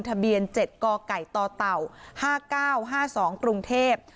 ทะเบียน๗กไก่ต่อเต่า๕๙๕๒กรุงเทพฯ